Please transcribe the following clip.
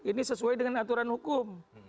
ini sesuai dengan aturan hukum